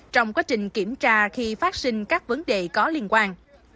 trong quá trình kiểm tra khi phát sinh các vấn đề có liên quan